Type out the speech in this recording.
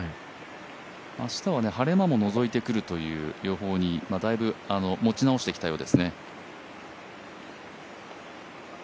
明日は晴れ間ものぞいてくるという予報にだいぶ持ち直してきたようですね。